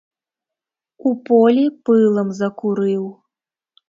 У полі пылам закурыў.